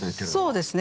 そうですね。